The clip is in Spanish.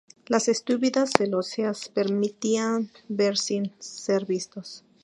Las tupidas celosías permitían ver sin ser vistos.